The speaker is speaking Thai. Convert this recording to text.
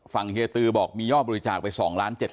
ฟังเฮตือบอกมียอดบริจาคไป๒ล้าน๗แสนกว่าบาท